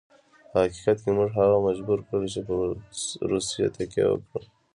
په حقیقت کې موږ هغه مجبور کړ چې پر روسیې تکیه وکړي.